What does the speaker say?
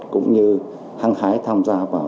cũng như hăng hái tham gia vào